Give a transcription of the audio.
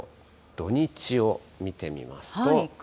土日を見てみますと。